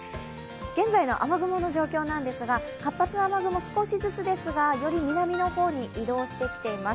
現在の雨雲の状況なんですが活発な雨雲少しずつですがより南の方に移動してきています。